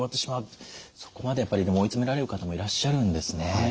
そこまでやっぱり追い詰められる方もいらっしゃるんですね。